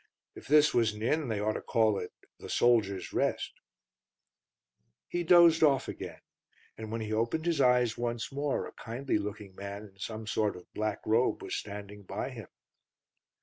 If this was an inn they ought to call it The Soldiers' Rest." He dozed off again, and when he opened his eyes once more a kindly looking man in some sort of black robe was standing by him.